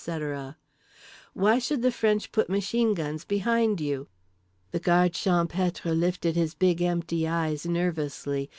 —"why should the French put machine guns behind you?" The Guard Champêtre lifted his big empty eyes nervously.